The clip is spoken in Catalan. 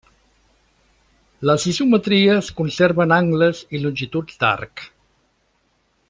Les isometries conserven angles i longituds d'arc.